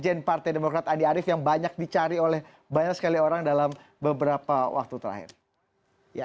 jenderal partai demokrat andi arief yang banyak dicari oleh banyak sekali orang dalam beberapa waktu terakhir ya